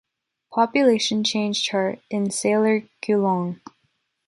Population change chart in Saller QuLang.